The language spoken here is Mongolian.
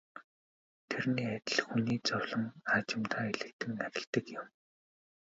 Тэрний адил хүний зовлон аажимдаа элэгдэн арилдаг юм.